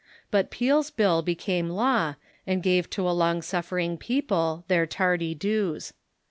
But Peel's bill became law, and gave to a long suffering people their tardy dues.